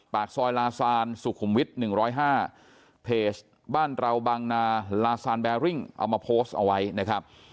ปากซอยลาซานสุขุมวิทย์๑๐๕เพจบ้านเราบางนาลาซานแบริ่งเอามาโพสต์เอาไว้นะครับ